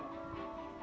tidak ada alam